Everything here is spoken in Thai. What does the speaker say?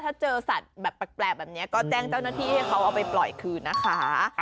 ถ้าเจอสัตว์แบบแปลกแบบนี้ก็แจ้งเจ้าหน้าที่ให้เขาเอาไปปล่อยคืนนะคะ